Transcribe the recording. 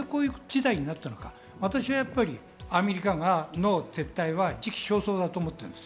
そもそも何でこういう事態になっているか、私はやはりアメリカの撤退は時期尚早だと思ってるんです。